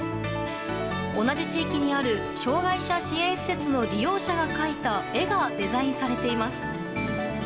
同じ地域にある障害者支援施設の利用者が描いた絵がデザインされています。